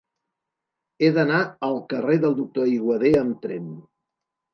He d'anar al carrer del Doctor Aiguader amb tren.